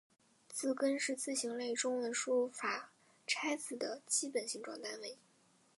字根是字形类中文输入法拆字的基本形状单位。